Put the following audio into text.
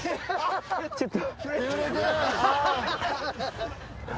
ちょっと。